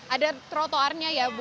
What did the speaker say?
ada trotoarnya ya bu